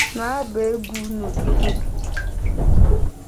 na-agba egwu n’otu n’otu